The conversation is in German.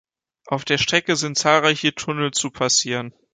Auf der Strecke sind zahlreiche Tunnel zu passieren.